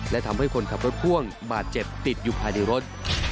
และทำให้คนขับรถพ่วงบาดเจ็บติดอยู่ภายในรถ